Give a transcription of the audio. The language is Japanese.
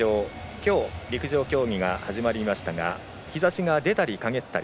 今日、陸上競技が始まりましたが日ざしが出たり、かげったり。